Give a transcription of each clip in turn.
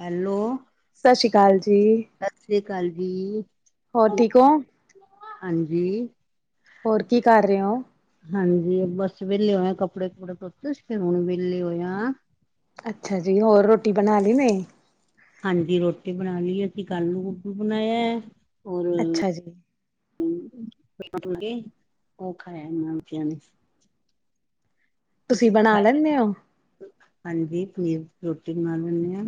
Hello. ਸਸ ਸ਼੍ਰੀੳ ਕਾਲ ਜੀ। ਸਸ ਸ੍ਰੀ ਕਾਲ ਜੀ। ਹੋਰ ਠੀਕ ਔ। ਹਾਂਜੀ। ਹੋਰ ਕੀ ਕਰ ਰਹੇ ਔ। ਹਾਂਜੀ ਬਸ ਵੇਲੇ ਹੋਏ ਆ ਕੱਪੜੇ-ਕੁੱਪੜੇ ਧੋਤੇ ਸੀ ਹੁਣ ਵੇਲੇ ਹੋਏ ਆ। ਅੱਛਾ ਜੀ ਹੋਰ ਰੋਟੀ ਬਣਾ ਲੀ ਨੇ। ਹਾਂਜੀ, ਰੋਟੀ ਬਣਾ ਲਈ ਏ ਅਸੀਂ ਆਲੂ ਗੋਭੀ ਬਣਾਇਆ ਔਰ ਅੱਛਾ ਜੀ, [unintelligible] ਉਹ ਖਾਇਆ ਇਨਾ ਬੱਚਿਆਂ ਨੇ। ਹ ਤੁਸੀਂ ਕੀ ਬਣਾ ਖਾਯਾ ਲੈਂਦੇ ਹੋ? ਅੱਜ ਹਾਂਜੀ, ਪਨੀਰ ਦੀ ਰੋਟੀ ਬਣਾ ਲੈਨੀ ਆ।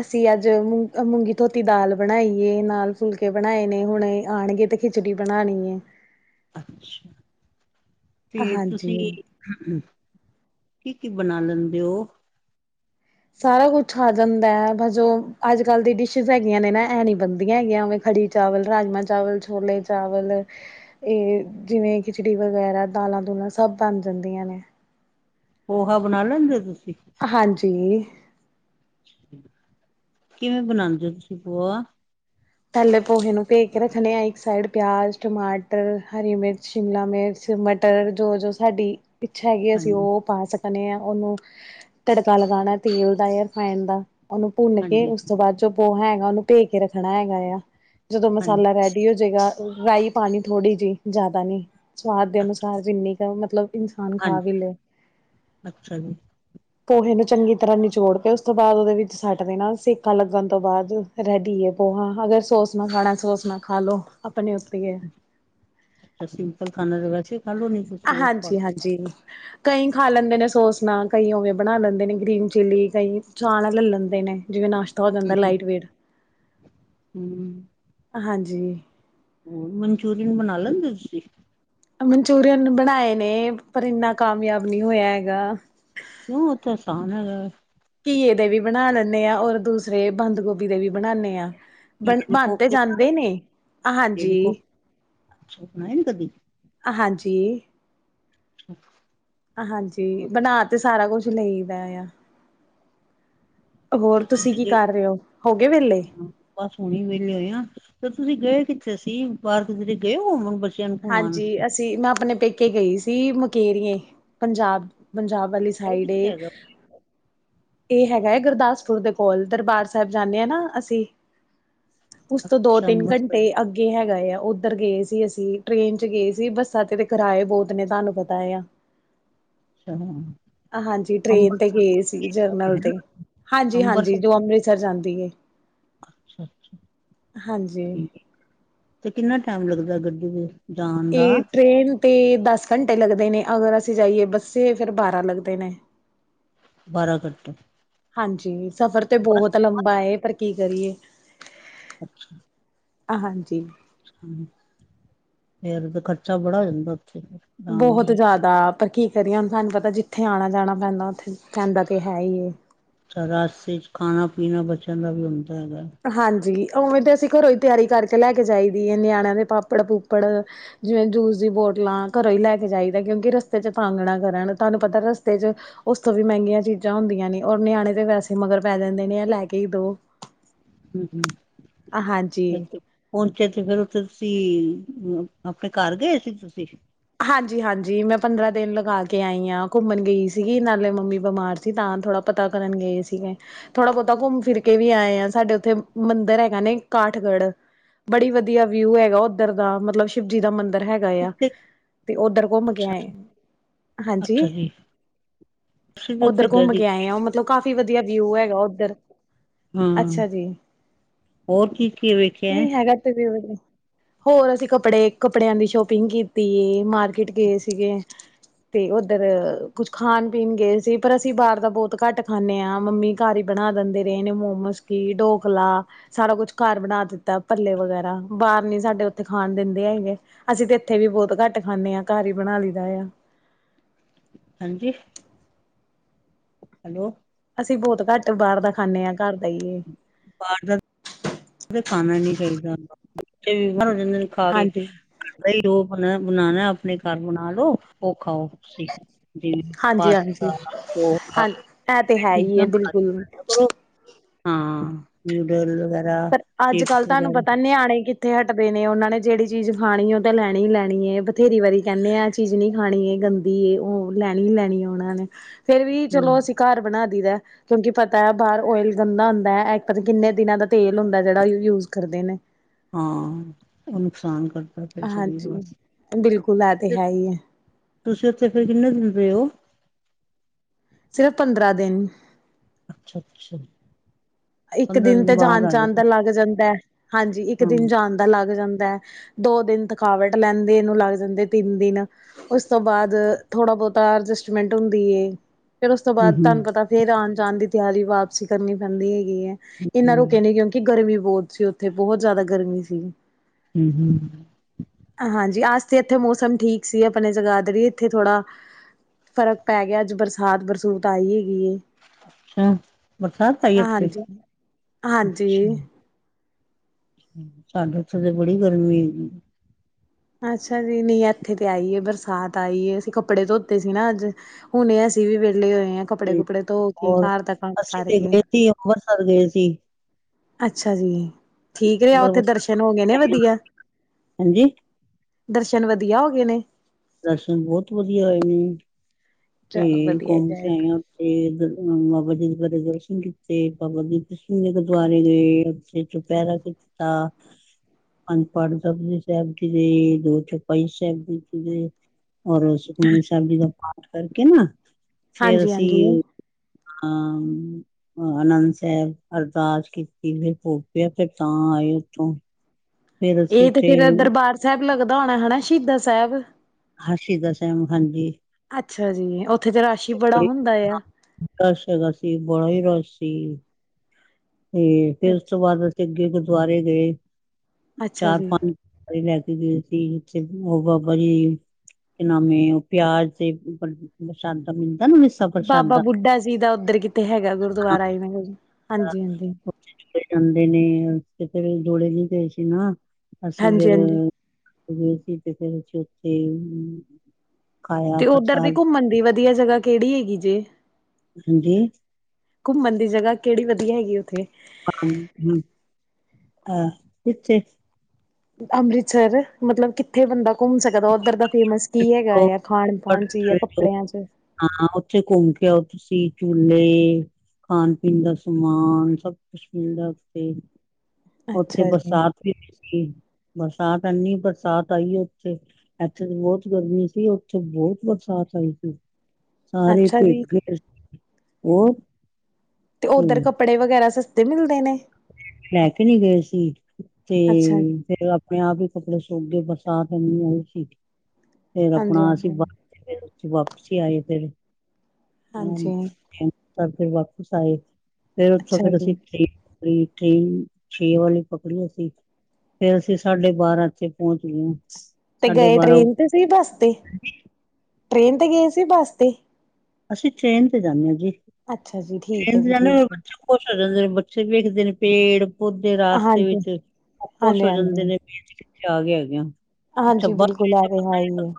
ਅਸੀਂ ਅੱਜ ਮ ਮੂੰਗੀ ਧੋਤੀ ਦਾਲ ਬਣਾਈ ਏ ਨਾਲ ਫੁਲਕੇ ਬਣਾਏ ਨੇ ਹੁਣੇ ਆਣਗੇ ਤੇ ਖਿਚੜੀ ਬਣਾਣੀ ਏ। ਅੱਛਾ, ਤੇ ਤੁਸੀਂ ਹਾਂਜੀ, ਕੀ-ਕੀ ਬਣਾ ਲੈਂਦੇ ਔ। ਸਾਰਾ ਕੁੱਛ ਆ ਜਾਂਦਾ, ਬਸ ਜੋ ਅੱਜ ਕੱਲ ਦੀ ਡਿਸ਼ਿਸ ਹੈਗੀਆ ਨੇ ਨਾ ਐ ਨੀ ਬਣਦੀਆਂ ਹੈਗੀਆ ਉਵੇਂ ਖੜੀ। ਚਾਵਲ, ਰਾਜਮਾਂ ਚਾਵਲ, ਛੋਲੇ ਚਾਵਲ ਏ ਜਿਵੇਂ ਖਿਚੜੀ ਵਗੈਰਾ, ਦਾਲਾ-ਦੁਲਾ ਸਭ ਬਣ ਜਾਂਦੀਆ ਨੇ। ਪੋਹਾ ਬਣਾ ਲੈਂਦੇ ਔ ਤੁਸੀਂ? ਹਾਂਜੀ। ਕਿਵੇਂ ਬਣਾਂਦੇ ਔ ਤੁਸੀਂ ਪੋਆ? ਪੈਲੇ ਪੋਹੇ ਨੂੰ ਪੈ ਕੇ ਰੱਖਣੇ ਆ, ਇੱਕ ਸਾਈਡ ਪਿਆਜ਼ ਟਮਾਟਰ, ਹਰੀ ਮਿਰਚ, ਸ਼ਿਮਲਾ ਮਿਰਚ, ਮ ਟਰ ਜੋ-ਜੋ ਸਾਡੀ ਇੱਛਾ ਹੈਗੀ ਅਸੀਂ ਹਾਂਜੀ, ਓ ਪਾ ਸਕਨੇ ਆ ਓਨੂੰ ਤੜਕਾ ਲਗਾਣਾ ਤੇਲ ਦਾ ਯਾ ਰੀਫਾਂਇਡ ਦਾ ਓਨੂੰ ਭੁੰਨ ਕੇ ਹਾਂਜੀ, ਉਸ ਤੋਂ ਬਾਅਦ ਜੋ ਪੋਹਾ ਹੈਗਾ, ਓਨੂੰ ਭੇ ਕੇ ਰੱਖਣਾ ਹੈਗਾ ਆ। ਜਿਦੋਂ ਹਾਂਜੀ, ਮਸਾਲਾ ਰੈਡੀ ਹੋ ਜਾਏਗਾ, ਰਾਈ ਪਾਣੀ ਥੋੜ੍ਹੀ ਜਿ ਜ਼ਿਆਦਾ ਨਈਂ। ਸਵਾਦ ਦੇ ਅਨੁਸਾਰ ਜਿੰਨੀ ਕੁ ਮਤਲਬ ਇੰਨਸਾਨ ਖਾ ਹਾਂਜੀ, ਵੀ ਦੇ। ਅੱਛਾ ਜੀ। ਪੋਹੇ ਨੂੰ ਚੰਗੀ ਤਰ੍ਹਾਂ ਨਿਚੋੜ ਕੇ, ਉਸ ਤੋਂ ਬਾਅਦ ਓਦੇ ਵਿੱਚ ਸੱਟ ਦੇਣਾ ਸੇਕਾ ਲੱਗਣ ਤੋਂ ਬਾਅਦ ਰੈਡੀ ਏ ਪੋਹਾ, ਅਗਰ ਸੌਸ ਨਾਲ ਖਾਣਾ, ਸੋਸ ਨਾਲ ਖਾ ਲੋ ਆਪਣੇ ਉਤੇ ਐ। ਤੇ ਸਿੰਪਲ ਖਾਣਾ ਤੇ ਵੈਸੇ ਈ ਖਾਲੇ ਨੇਂ ਆ ਹਾਂਜੀ, ਹਾਂਜੀ। ਕਈ ਖਾ ਲੈਂਦੇ ਨੇ ਸੋਸ ਨਾਲ ਕਈ ਓਵੇ ਬਣਾ ਲੈਂਦੇ ਨੇ ਗ੍ਰੀਨ ਚਿੱਲੀ। ਕਈ ਚਾਅ ਨਾਂ ਲੱਲ ਲੈਂਦੇ ਨੇ, ਜਿਵੇਂ ਨਾਸ਼ ਤਾ ਹੋ ਜਾਂਦਾ ਲਾਈਟ ਵੇਟ ਹਂ। ਹਾਂਜੀ। ਹਂ, ਮਨਚੂਰੀਅਨ ਬਣਾ ਲੈਂਦੇ ਤੁਸੀਂ? ਮਨਚੂਰੀਅਨ ਬਣਾਏ ਨੇਂ, ਪਰ ਇੰਨਾ ਕਾਮਯਾਬ ਨਈਂ ਹੋਇਆ ਹੈਗਾ। ਕਿਉਂ ਉ ਤੇ ਆਸਾਨ ਹੇਗਾ ਐ। ਘੀਏ ਦੇ ਵੀ ਬਣਾ ਲੈਂਣੇ ਆਂ, ਔਰ ਦੂਸਰੇ ਬੰਦ ਗੋਭੀ ਦੇ ਵੀ ਬਣਾਣੇ ਆਂ। ਬਣ ਘੀਏ ਦੇ ਬਣ ਤੇ ਕੋਫਤੇ ਬਣਾ ਜਾਂਦੇ ਨੇਂ। ਹਾਂਜੀ। ਤੁਸੀ ਬਣਾਏ ਨੇ ਕਦੀ? ਆ ਹਾਂਜੀ। [inaudible] ਹਾਂਜੀ, ਬਨਾ ਤੇ ਸਾਰਾ ਕੁਛ ਲਈ ਦਾ ਆ ਹੋਰ ਤੇ ਤੁਸੀਂ ਕੀ ਗਏ ਕਰੇ ਓ? ਹੋ ਗੇ ਵੇਲੇ ਬਸ ਹੁਣੇ ਵੇਲੇ ਹੋਏ ਆਂ ਤੇ ਤੁਸੀਂ ਗਏ ਕਿੱਥੇ ਸੀ, ਬਾਰ ਕਿਧਰੇ ਗਏ ਓ ਘੁੰਮਣ ਬਸ ਹਾਂਜੀ, ਅਸੀਂ ਮੈਂ ਆਪਣੇ ਪੇਕੇ ਗਈ ਸੀ। ਮੁਕੇਰੀਏ, ਪੰਜਾਬ ਪੰਜਾਬ ਵਾਲੀ ਉਹ ਸਾਈਡ ਕਿੱਥੇ ਏ ਹੈਗਾ ਇਹ ਹੈਗਾ ਐ ਗੁਰਦਾਸਪੁਰ ਦੇ ਕੋਲ, ਦਰਬਾਰ ਸਾਹਿਬ ਜਾਂਣੇ ਆਂ ਨਾਂ ਅਸੀਂ [inaudible] ਉਸ ਤੋਂ ਅੱਛਾ ਦੋ-ਤਿੰਨ ਅੰਮ੍ਰਿਤਸਰ ਕੰਟੇ ਅੱਗੇ ਹੈਗਾ ਆ, ਉੱਧਰ ਗਏ ਸੀ ਅਸੀਂ ਟ੍ਰੇਨ ਚ ਗੈ ਸੀ ਬੱਸਾਂ ਤੇ ਤੇ ਕਿਰਾਏ ਬੋਤ ਨੇ ਤਾਨੂੰ ਪਤਾ ਏ ਆ। ਅੱਛਾ। ਹਾਂਜੀ ਟ੍ਰੇਨ ਤੇ ਅੰਮ੍ਰਿਤਸਰ ਗੇ ਸੀ ਜਰਨਲ ਤੇ ਹਾਂਜੀ, ਹਾਂਜੀ ਅੰਮ੍ਰਿਤਸਰ ਜੋ ਅੱਛਾ ਅੰਮ੍ਰਿਤਸਰ ਜਾਂਦੀ ਏ ਅੱਛਾ। ਹਾਂਜੀ। ਠੀਕ ਤੇ ਕਿੰਨਾ ਟੈਮ ਲੱਗਦਾ ਗੱਡੀ ਤੇ ਐ ਟ੍ਰੇਨ ਤੇ ਦਸ ਕੰੰਟੇ ਲੱਗਦੇ ਨੇਂ, ਅਗਰ ਅਸੀਂ ਜਾਈਏ ਬੱਸੇ ਫਿਰ ਬਾਰਾਂ ਲੱਗਦੇ ਨੇਂ। ਬਾਰਾਂ ਘੰਟੇ। ਹਾਂਜੀ, ਸਫ਼ਰ ਤੇ ਬਸ ਬੋਤ ਲੰਬਾ ਏ ਪਰ ਕੀ ਕਰੀਏ ਅੱਛਾ ਅਆ ਹਾਂਜੀ ਹਂ, ਫੇਰ ਤੇ ਖਰਚਾ ਬੜਾ ਹੋ ਜਾਂਦਾ ਓੱਥੇ ਬੋਹਤ ਜ਼ਾਦਾ ਪਰ ਕੀ ਕਰੀਏ ਹੁਨ ਤਾਨੂੰ ਪਤਾ ਜਿੱਥੇ ਆਨਾ-ਜਾਨਾ ਪੈਂਦਾ ਉੱਥੇ ਪੈਦਾਂ ਤੇ ਹੈ ਈ ਏ ਤਾਂ ਰਸਤੇ ਚ ਖਾਨਾ-ਪੀਨਾ ਬੱਚਿਆਂ ਦਾ ਵੀ ਹੁੰਦਾ ਹੈਗਾ ਹਾਂਜੀ। ਉਵੇਂ ਤੇ ਅਸੀਂ ਕਰੋਂ ਈ ਤਿਆਰੀ ਕਰਕੇ ਲੈ ਕੇ ਜਾਈ ਦੀਏ ਨਿਆਨਿਆਂ ਦੇ ਪਾਪੜ-ਪੂਪੜ ਜਿਵੇਂ ਜੂਸ ਦੀ ਬੋਟਲਾਂ ਘਰੋਂ ਈ ਲੈ ਕੇ ਜਾਈਦਾ ਕਿਉਂਕਿ ਰਸਤੇ ਚ ਤੰਗ ਨਾਂ ਕਰਨ ਤਾਨੂੰ ਪਤਾ ਰਸਤੇ ਚ ਉਸ ਤੋਂ ਵੀ ਮਹੰਗੀਆਂ ਚੀਜ਼ਾਂ ਹੁੰਦੀਆਂ ਨੇ ਔਰ ਨਿਆਨੇ ਤੇ ਵੈਸੇ ਮਗਰ ਪੈ ਜਾਂਦੇ ਨੇ ਲੈ ਕੇ ਈ ਦੋ ਹੂ ਹੂ ਹਾਂਜੀ। ਪਹੁੰਚੇ ਤੇ ਫੇਰ ਉੱਥੇ, ਤੁਸੀਂ ਆਪਨੇ ਘਾਰ ਗਏ ਸੀ ਤੁਸੀਂ ਹਾਂਜੀ ਹਾਂਜੀ ਮੈਂ ਪੰਦਰਾਂ ਦਿਨ ਲਗਾ ਕੇ ਆਈ ਹਾਂ ਘੁੰਮਣ ਗਈ ਸੀਗੀ ਨਾਲੇ ਮੰਮੀ ਬਿਮਾਰ ਸੀ ਅਸੀ ਤਾਂ ਥੋੜ੍ਹਾ ਪਤਾ ਕਰਨ ਗਏ ਸੀਗੇ ਥੋੜ੍ਹਾ ਬਹੁਤਾ ਘੁੰਮ ਫਿਰ ਕੇ ਵੀ ਆਏ ਆ ਸਾਡੇ ਉੱਥੇ ਮੰਦਿਰ ਹੈਗਾ ਨੇ ਕਾਠਗੜ੍ਹ ਬੜੀ ਵਧੀਆ ਵਿਊ ਹੈਗਾ ਉੱਧਰ ਦਾ, ਮਤਲਬ ਸ਼ਿਵ ਜੀ ਦਾ ਮੰਦਿਰ ਹੈਗਾ ਆ। ਕਿੱਥੇ ਤੇ ਓਧਰ ਘੁੰਮ ਕੇ ਆਏ ਹਾਂਜੀ ਅੱਛਾ ਜੀ ਅਸੀਂ ਵੀ ਉੱਥੇ ਉੱਧਰ ਗਏ ਘੁੰਮ ਸੀ ਕੇ ਆਏ ਆ ਉ ਮਤਲਬ ਕਾਫ਼ੀ ਵਧੀਆ ਵਿਊ ਹੈਗਾ ਉੱਧਰ ਹਾਂ ਅੱਛਾ ਜੀ ਹੋਰ ਕੀ ਕੀ ਵੇਖਿਆ ਨਹੀਂ ਹੋਰ ਅਸੀਂ ਕੱਪੜੇ ਕੱਪੜਿਆਂ ਦੀ ਸ਼ੋਪਿੰਗ ਕੀਤੀ ਏ ਮਾਰਕੀਟ ਗਯੇ ਸੀਗੇ ਤੇ ਉੱਧਰ ਕੁਛ ਖਾਣ ਪੀਣ ਗਏ ਸੀ ਪਰ ਅਸੀਂ ਬਾਹਰ ਤਾਂ ਬਹੁਤ ਘੱਟ ਖਾਂਨੇ ਆਂ ਮੰਮੀ ਘਾਰ ਈ ਬਣਾ ਦਿੰਦੇ ਨੇ, ਏਨੇ ਮੋਮੋਸ ਕੀ ਢੋਕਲਾ ਸਾਰਾ ਕੁਛ ਘਾਰ ਬਣਾ ਦਿੱਤਾ ਭੱਲੇ ਵਗੈਰਾ, ਬਾਹਰ ਨੀ ਸਾਡੇ ਉੱਥੇ ਖਾਣ ਦਿੰਦੇ ਹੈਗੇ ਅਸੀਂ ਤੇ ਇੱਥੇ ਵੀ ਬਹੁਤ ਕੱਟ ਖਾਂਨੇ ਆਂ, ਘਰ ਹੀ ਬਣਾ ਲਈ ਦਾ ਆ ਹਾਂਜੀ ਹੈਲੋ ਅਸੀਂ ਬਹੁਤ ਘਟ ਬਾਹਰ ਦਾ ਖਾਂਨੇ ਆਂ ਘਾਰ ਦਾ ਹੀ ਬਾਹਰ ਦਾ ਤਾਂ ਖਾਣਾ ਹੀ ਨੀ ਚਾਹੀਦਾ, ਕਈ ਵਾਰੀ ਬਿਮਾਰ ਹੋ ਜਾਂਦੇ ਨੇ ਖਾ ਕੇ ਹਾਂਜੀ ਨਈ ਜੋ ਬਨਾ ਬਣਾਣਾ ਐ, ਆਪਨੇ ਘਾਰ ਬਣਾ ਲੋ ਉਹ ਖਾਓ ਤੁਸੀਂ ਜਿਵੇਂ ਹਾਂਜੀ ਹਾਂਜੀ ਪਾਸਤਾ ਉਹ ਖਾ ਹਾਂ ਇਹ ਤੇ ਹੈ ਹੀ ਹੈ ਬਿਲਕੁਲ [inaudible] ਪਰ ਚਿਪਸ ਅੱਜ-ਕੱਲ੍ਹ ਤੁਹਾਨੂੰ ਵਗੈਰਾ ਪਤਾ ਨਿਆਣੇ ਕਿ ਕਿੱਥੇ ਹਟਦੇ ਨੇ, ਉਹਨਾਂ ਨੇ ਜਿਹੜੀ ਚੀਜ਼ ਖਾਣੀ ਐ ਉਹ ਤਾਂ ਲੈਣੀ ਹੀ ਲੈਣੀ ਏ ਬਥੇਰੀ ਵਾਰੀ ਕਹਿੰਨੇ ਆ ਏ ਚੀਜ਼ ਨੀ ਖਾਣੀ, ਏ ਗੰਦੀ ਏ ਉਹ ਲੈਣੀ ਲੈਣੀ ਏ ਉਹਨਾ ਨੇ, ਫੇਰ ਵੀ ਹੂੰ ਚਲੋ ਅਸੀ ਘਰ ਬਣਾ ਦੇਈ ਦਾ, ਕਿਉਂਕਿ ਪਤਾ ਐ ਬਾਹਰ ਓਇਲ ਗੰਦਾ ਹੁੰਦੈ ਐ ਪਤਾ ਕਿੰਨੇ ਦਿਨਾਂ ਦਾ ਤੇਲ ਹੁੰਦਾ ਜਿਹੜਾ ਯੂਜ ਕਰਦੇ ਨੇ। ਹਾਂ ਉਹ ਨੁਕਸਾਨ ਕਰਦਾ ਫਿਰ ਸਰੀਰ ਹਾਂਜੀ ਵਾਸਤੇ ਬਿਲਕੁਲ ਐ ਤੇ ਹੈ ਹੀ ਐ। ਤੁਸੀਂ ਉੱਥੇ ਫੇਰ ਕਿੰਨੇ ਦਿਨ ਰਹੇ ਓ? ਸਿਰਫ ਪੰਦਰਾਂ ਦਿਨ। ਅੱਛਾ-ਅੱਛਾ। ਇੱਕ ਦਿਨ ਤੇ ਜਾਣ ਜਾਣ ਦਾ ਲੱਗ ਜਾਂਦਾ ਐ, ਹਾਂਜੀ ਇੱਕ ਹਾਂ ਦਿਨ ਜਾਣ ਦਾ ਲੱਗ ਜਾਂਦਾ, ਦੋ ਦਿਨ ਥਕਾਵਟ ਲੈਂਦੀ ਨੂੰ ਲੱਗ ਜਾਂਦੇ ਤਿੰਨ ਦਿਨ ਉਸ ਤੋਂ ਬਾਅਦ ਥੋੜ੍ਹਾ ਬਹੁਤਾ ਅਡਜਸਟਮੈਂਟ ਹੁੰਦੀ ਏ। ਫੇਰ ਉਸ ਤੋਂ ਹੂੰ ਬਾਅਦ ਹੂੰ ਤੁਹਾਨੂੰ ਪਤਾ ਫੇਰ ਆਣ-ਜਾਣ ਦੀ ਤਿਆਰੀ ਵਾਪਸੀ ਕਰਨੀ ਪੈਂਦੀ ਹੈਗੀ ਐ। ਇੰਨਾ ਹੂੰ ਰੁਕੇ ਨੀ ਕਿਉਂਕਿ ਗਰਮੀ ਬਹੁਤ ਸੀ ਉੱਥੇ, ਬਹੁਤ ਜ਼ਿਆਦਾ ਗਰਮੀ ਸੀ ਗੀ। ਹੂ ਹੂ ਹਾਂਜੀ ਆਜ ਤੇ ਇੱਥੇ ਮੌਸਮ ਠੀਕ ਸੀ ਆਪਣੇ ਜਗਾਦਰੀ, ਇੱਥੇ ਥੋੜਾ ਫਰਕ ਪੈ ਗਿਆ ਅੱਜ ਬਰਸਾਤ-ਬਰਸੂਤ ਆਈ ਹੈਗੀ ਏ। ਅੱਛਾ, ਬਰਸਾਤ ਆਈ ਇੱਥੇ? ਹਾਂਜੀ ਹਾਂਜੀ। ਅੱਛਾ ਸਾਡੇ ਉੱਥੇ ਤੇ ਬੜੀ ਗਰਮੀ ਹੈਗੀ। ਅੱਛਾ ਜੀ ਨਹੀਂ ਇੱਥੇ ਤੇ ਆਈਏ ਬਰਸਾਤ ਆਈ ਏ ਅਸੀਂ ਕੱਪੜੇ ਧੋਤੇ ਸੀ ਨਾ ਅੱਜ। ਹੁਣੇ ਅਸੀਂ ਵੀ ਵਿਹਲੇ ਹੋਏ ਆ ਤੇ ਕੱਪੜੇ-ਕੁੱਪੜੇ ਧੋ ਕੇ ਹੋਰ ਘਰ ਦਾ ਕੰਮ ਅਸੀਂ ਤੇ ਕਰਕੇ। ਗਏ ਸੀ ਅੰਮ੍ਰਿਤਸਰ ਗਏ ਸੀ। ਅੱਛਾ ਜੀ ਠੀਕ ਰਿਹਾ ਉੱਥੇ ਦਰਸ਼ਨ ਹੋ ਗਏ ਨੇ ਅੰਮ੍ਰਿਤਸਰ ਵਧੀਆ? ਹਾਂਜੀ ਦਰਸ਼ਨ ਵਧੀਆ ਹੋ ਗਏ ਨੇ? ਦਰਸ਼ਨ ਬੋਤ ਵਧੀਆ ਹੋਏ ਨੇ, ਤੇ ਚਲੋ ਵਧੀਆ ਹੀ ਘੁੰਮ ਕੇ ਚਾਹੀਦਾ। ਆਏ ਹਾਂ ਓ ਥੇ ਬਾਬਾ ਦੀਪ ਬਾਰੇ ਦਰਸ਼ਨ ਕੀਤੇ ਬਾਬਾ ਦੀਪ ਸਿੰਘ ਦੇ ਗੁਰਦੁਆਰੇ ਗਏ। ਉਥੇ ਚੁਪਹਿਰਾ ਕੀਤਾ। ਪੰਜ ਪਾਠ ਜਪੁਜੀ ਸਾਹਿਬ ਜੀ ਦੇ, ਦੋ ਚੌਪਈ ਸਾਹਿਬ ਜੀ ਕਿਤੀ ਏ। ਔਰ ਸੁਖਮਨੀ ਸਾਹਿਬ ਜੀ ਦਾ ਪਾਠ ਕਰਕੇ ਨਾ, ਫੇਰ ਹਾਂਜੀ ਹਾਂਜੀ ਅਸੀਂ ਹੂੰ। ਆਨੰਦ ਸਾਹਿਬ ਅਰਦਾਸ ਕੀਤੀ ਫੇਰ ਭੋਗ ਪਿਆ ਫੇਰ ਤਾਂ ਆਏ ਉੱਥੋਂ। ਫਿਰ ਅਸੀਂ ਇਹ ਤੇ ਉੱਥੇ ਫੇਰ ਦਰਬਾਰ ਸਾਹਿਬ ਲੱਗਦਾ ਹੋਣਾ ਹ ਨਾ, ਸ਼ਹੀਦਾਂ ਸਾਹਿਬ। ਹਾਂ ਸ਼ਹੀਦਾਂ ਸਾਹਿਬ ਹਾਂਜੀ। ਅੱਛਾ ਜੀ, ਉੱਥੇ ਤੇ ਰਸ਼ ਹੀ ਬੜਾ ਬੜੀ ਹੁੰਦਾ ਏ ਆ। ਰਸ਼ ਹੈ ਗਾ ਸੀ ਬੜਾ ਈ ਰਸ਼ ਸੀ। ਤੇ ਫੇਰ ਉਸ ਤੋਂ ਬਾਅਦ ਅਸੀਂ ਅੱਗੇ ਗੁਰਦੁਆਰੇ ਗਏ, ਅੱਛਾ ਜੀ ਚਾਰ-ਪੰਜ ਲੈ ਕੇ ਗਏ ਸੀ ਉੱਥੇ ਉਹ ਬਾਬਾ ਜੀ। ਕੀ ਨਾਮ ਏ ਉਹ ਪਿਆਜ ਤੇ ਪਰ ਪਰਸ਼ਾਦਾ ਮਿਲਦਾ ਨੀ ਓਸ ਬਾਬਾ ਬੁੱਢਾ ਜੀ ਦਾ ਉੱਧਰ ਕਿਤੇ ਹੈਗਾ ਗੁਰਦੁਆਰਾ ਇਨਾ ਦੇ ਵੀ ਹਾਂਜੀ- ਹਾਂਜੀ। ਜਾਂਦੇ ਨੇ ਤੇ ਪਹਿਲੇ ਜੋੜੇ ਚ ਗਏ ਸੀ ਨਾ, ਅਸੀਂ ਹਾਂਜੀ ਫੇਰ ਹਾਂਜੀ ਗਏ ਸੀ ਤੇ ਫੇਰ ਉਥੇ-ਉਥੇ ਤੇ ਉਧਰ ਦੀ ਘੁੰਮਣ ਦੀ ਵਧੀਆ ਜਗਾ ਕਿਹੜੀ ਹੈਗੀ ਜੇ? ਹਾਂਜੀ। ਘੁੰਮਣ ਦੀ ਜਗਾ ਕਿਹੜੀ ਵਧੀਆ ਹੈਗੀ ਉੱਥੇ? ਅ ਅ ਹ ਐ ਕਿੱਥੇ? ਅੰਮ੍ਰਿਤਸਰ ਮਤਲਬ ਕਿੱਥੇ ਬੰਦਾ ਘੁੰਮ ਸਕਦਾ ਉੱਧਰ ਦਾ ਫੇਮਸ ਕੀ ਹੈਗਾ ਉਹ ਆ ਖਾਣ ਪਾਣ ਚ ਜਾਂ ਕਰੇ ਜੋ, ਕੱਪੜਿਆਂ ਚ। ਹਾਂ ਉੱਥੇ ਘੁੰਮ ਕੇ ਆਓ ਤੁਸੀਂ ਝੂਲੇ। ਖਾਣ- ਪੀਣ ਦਾ ਸਮਾਨ ਸਭ ਕੁਛ ਮਿਲਦਾ ਉੱਥੇ। ਉੱਥੇ ਅੱਛਾ ਜੀ, ਬਰਸਾਤ ਵੀ ਐਨੀ ਬਰਸਾਤ ਐਏਨੀ ਬਰਸਾਤ ਆਈ ਆ ਉੱਥੇ। ਇੱਥੇ ਤੇ ਬੋਤ ਗਰਮੀ ਸੀ ਉੱਥੇ ਬਹੋਤ ਬਰਸਾਤ ਆਈ ਸੀ। ਸਾਰੇ ਅੱਛਾ ਜੀ ਭਿਗ ਗਏ, ਉਰ। ਤੇ ਉੱਧਰ ਕੱਪੜੇ ਵਗੈਰਾ ਸਸਤੇ ਮਿਲਦੇ ਨੇ। ਲੈ ਕੇ ਨੀ ਗਏ ਸੀ, ਤੇ ਅੱਛਾ ਜੀ, ਫੇਰ ਆ- ਆਪਣੇ ਆਪ ਹੀ ਕੱਪੜੇ ਸੋਕ ਗਏ ਬਰਸਾਤ ਇਨੀ ਆਈ ਸੀ, ਫੇਰ ਹਾਂਜੀ ਆਪਣਾ ਅਸੀਂ - ਹਾਂਜੀ, ਫ ਵਾਪਸੀ ਆਏ ਫਰੇ, ਹੁਣ ਹਾਂਜੀ ਤਾਂ ਫੇਰ ਵਾਪਿਸ ਆਏ, ਫੇਰ ਉਥੋਂ ਅੱਛਾ ਫੇਰ ਅਸੀਂ ਜੀ। ਟਰੇਨ ਫੜੀ। ਟਰੇਨ ਛੇ ਆਲੀ ਪਕੜੀ ਅਸੀ। ਫੇਰ ਅਸੀਂ ਸਾਡੇ ਬਾਰਾਂ ਉਥੇ ਪਹੁੰਚ ਗਏ। ਤੇ ਸਾਢੇ ਗਏ ਬਾਰਾਂ ਟ੍ਰੇਨ ਤੇ ਸੀ ਬੱਸ ਤੇ, ਟ੍ਰੇਨ ਤੇ ਗਏ ਸੀ ਬੱਸ ਤੇ? ਅਸੀਂ ਟ੍ਰੇਨ ਤੇ ਜਾਂਦੇ ਹਾਂ ਜੀ। ਅੱਛਾ ਜੀ ਠੀਕ ਹੈ ਇੰਝ ਜੀ ਨਾਲ ਨਾ ਠੀਕ ਹੈ। ਬੱਚੇ ਖੁਸ਼ ਹੋ ਜਾਂਦੇ ਨੇ ਬੱਚੇ ਵੇਖਦੇ ਨੇ ਪੇੜ- ਪੌਧੇ ਰਸਤੇ ਹਾਂਜੀ। ਵਿੱਚ, ਉਹ ਖੁਸ਼ ਹਾਂਜੀ ਹੋ ਜਾਂਦੇ ਹਾਂਜੀ, ਨੇ। ਕਿੱਥੇ ਆ ਗਏ ਹੈਗੇ ਆ, ਅੱਛਾ ਹਾਂਜੀ ਬਸ ਬਿਲਕੁਲ ਵਿੱਚ ਤੇ ਇਹ ਹੈ ਪਤਾ ਹੀ ਲੱਗਾ। ਹੈ,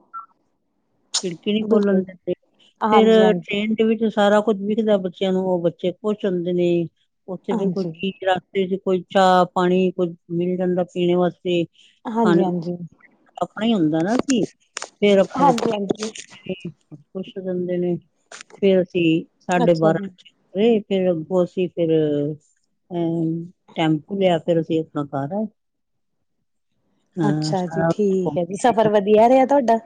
ਖਿੜਕੀ ਨੀ ਖੋਲਣ ਬਿਲਕੁਲ। ਦਿੰਦੇ ਹਾਂਜੀ ਫੇਰ ਹਾਂਜੀ ਟ੍ਰੇਨ ਵਿੱਚ ਸਾਰਾ ਕੁੱਝ ਵਿਖਦਾ ਬੱਚਿਆਂ ਨੂੰ ਉਹ ਬੱਚੇ ਖੁਸ਼ ਹੁੰਦੇ ਨੇ ਉੱਥੇ ਫੇਰ ਕੋਈ ਹਾਂਜੀ ਚੀਜ ਰੱਖ ਕੋਈ ਚਾਹ ਪਾਣੀ ਕੋਝ ਮਿਲ ਜਾਂਦਾ ਪੀਣ ਵਾਸਤੇ ਹਾਂਜੀ ਖਾਣੇ ਹਾਂਜੀ ਆਪਣਾ ਹੀ ਹੁੰਦਾ ਨਾ ਸੀ ਫੇਰ ਆਪਣਾ ਹਾਂਜੀ ਹਾਂਜੀ ਪੁੱਛ ਦਿੰਦੇ ਨੇ ਫੇਰ ਅਸੀਂ ਸਾਡੇ ਅੱਛਾ ਜੀ ਬਾਰਾਂ ਰ ਫੇਰ ਉਸੀ ਫਿਰ ਅਹ ਟੈਂਪੂ ਲਿਆ ਫਿਰ ਅਸੀਂ ਆਪਣਾ ਕਾਰ ਆ ਅੱਛਾ ਜੀ ਠੀਕ ਹੈ ਜੀ ਸਫ਼ਰ ਵਧੀਆ ਰਿਹਾ ਤੁਹਾਡਾ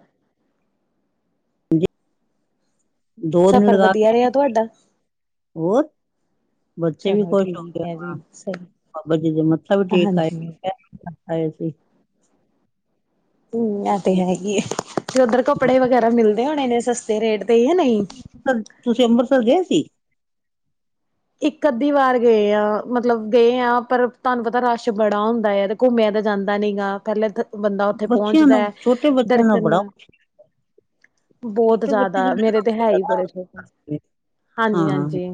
ਦੋ ਦਿਨ ਸਫ਼ਰ ਲਗਾ ਕੇ ਵਧੀਆ ਆਏ ਰਿਹਾ ਅਸੀਂ ਤੁਹਾਡਾ ਹੋਰ ਬੱਚੇ ਵੀ ਚਲੋ ਖੁਸ਼ ਹੋ ਗਏ ਠੀਕ ਹੈ ਹਾਂ ਜੀ ਸਹੀ ਬਾਬਾ ਜੀ ਦੇ ਮੱਥਾ ਵੀ ਟੇਕ ਆਏ ਹਾਂਜੀ ਆਏ ਸੀ ਹੂੰ ਐ ਤੇ ਹੈ ਈ ਏ ਤੇ ਉਧਰ ਕੱਪੜੇ ਵਗੈਰਾ ਮਿਲਦੇ ਹੋਣੇ ਨੇ ਸਸਤੇ ਰੇਟ ਤੇ ਹੀ ਹੈ ਨਹੀਂ ਤੁਸੀਂ ਅੰਬਰਸਰ ਗਏ ਸੀ ਇੱਕ ਅੱਧੀ ਵਾਰ ਗਏ ਆ ਮਤਲਬ ਗਏ ਆ ਪਰ ਤੁਹਾਨੂੰ ਪਤਾ ਰਸ਼ ਬੜਾ ਹੁੰਦਾ ਹੈ ਘੁੰਮਿਆ ਤਾਂ ਜਾਂਦਾ ਨੀ ਗਾ ਪਹਿਲਾਂ ਬੰਦਾ ਉੱਥੇ ਬੱਚਿਆਂ ਪਹੁੰਚਦਾ ਨਾਲ ਹੈ ਛੋਟੇ ਬੱਚਿਆਂ ਨਾਲ ਬੜਾ ਦਰਸ਼ਨ ਬਹੁਤ ਛੋਟੇ ਬੱਚੇ ਜ਼ਿਆਦਾ ਜਿਹੜੇ ਮੇਰੇ ਨਾ ਤੇ ਹੈ ਹੀ ਬੜਾ ਬੜੇ ਹਾਂਜੀ ਹਾਂ ਹਾਂਜੀ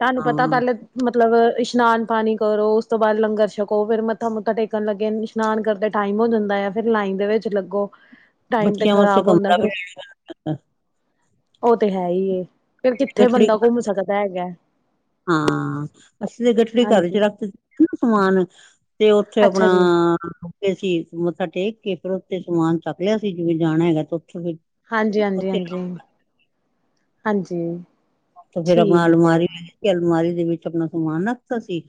ਤੁਹਾਨੂੰ ਪਤਾ ਹਾਂ ਪਹਿਲੇ ਮਤਲਬ ਇਸ਼ਨਾਨ ਪਾਣੀ ਕਰੋ ਉਸ ਤੋਂ ਬਾਅਦ ਲੰਗਰ ਛਕੋ ਫੇਰ ਮੱਥਾ ਮੁਥਾ ਟੇਕਣ ਲੱਗੇ ਸਸ਼ਨਾਨ ਕਰਦੇ ਟਾਈਮ ਹੋ ਜਾਂਦਾ ਆ ਫਿਰ ਲਾਈਨ ਦੇ ਵਿੱਚ ਲੱਗੋ ਟਾਈਮ ਤੇ ਬੱਚਿਆਂ ਵਾਸਤੇ ਖ਼ਰਾਬ ਹੁੰਦਾ ਕਮਰਾ ਫਿਰ ਵੀ ਉਹ ਤੇ ਹੈ ਹੀ ਫਿਰ ਕਿੱਥੇ ਗਠੜੀ ਬੰਦਾ ਘੁੰਮ ਸਕਦਾ ਹੈਗਾ ਹਾਂ ਅਸੀਂ ਤੇ ਗਠੜੀ ਘਰ ਚ ਹਾਂਜੀ ਰੱਖ ਦਿੱਤੀ ਸੀ ਨਾ ਸਮਾਨ ਤੇ ਉੱਥੇ ਅੱਛਾ ਆਪਣਾ ਜੀ ਅਸੀਂ ਮੱਥਾ ਟੇਕ ਕੇ ਫੇਰ ਉੱਥੇ ਸਮਾਨ ਚੱਕ ਲਿਆ ਸੀ ਜਿਵੇਂ ਜਾਣਾ ਹੈਗਾ ਤੇ ਉੱਥੇ ਫਿਰ ਹਾਂਜੀ ਹਾਂਜੀ ਉੱਥੇ ਹਾਂਜੀ ਹਾਂਜੀ ਫੇਰ ਆਪਣਾ ਠੀਕ ਹੈ ਅਲਮਾਰੀ ਜੀ ਕਿ ਅਲਮਾਰੀ ਦੇ ਵਿੱਚ ਆਪਣਾ ਸਮਾਨ ਰੱਖਤਾ ਸੀ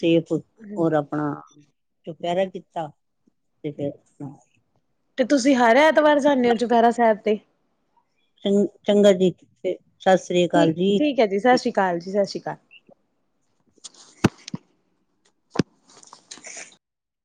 ਸੇਫ ਔਰ ਆਪਣਾ ਚੁਪਹਿਰਾ ਕੀਤਾ ਤੇ ਫੇਰ ਆਪਣਾ ਤੇ ਤੁਸੀਂ ਹਰ ਐਤਵਾਰ ਜਾਂਦੇ ਹੋ ਚੁਪਹਿਰਾ ਸਾਹਿਬ ਤੇ ਚੰ ਚੰਗਾ ਜੀ ਫੇ ਸਤਿ ਸ੍ਰੀ ਅਕਾਲ ਠੀਕ ਜੀ ਸਤਿ ਠੀਕ ਸ੍ਰੀ ਅਕਾਲ ਕਾਲ ਜੀ ਸਤ ਸ਼੍ਰੀ ਅਕਾਲ